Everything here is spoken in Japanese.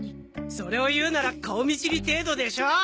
それを言うなら「顔見知り程度」でしょ！